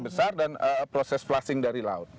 besar dan proses flushing dari laut